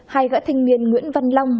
hay gã thanh niên nguyễn văn long